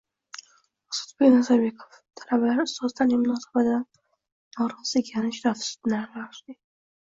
Ozodbek Nazarbekov: Talabalar ustozlarning munosabatidan norozi ekani juda afsuslanarli